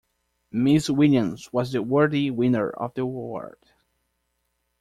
Miss Williams was the worthy winner of the award.